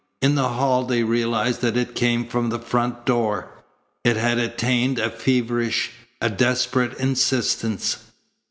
In the hall they realized that it came from the front door. It had attained a feverish, a desperate insistence.